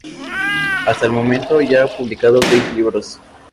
Hasta el momento ya ha publicado seis libros.